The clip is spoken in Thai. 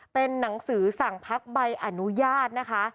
เป็นหนังสือสั่งพักใบอนุญาตนะคะ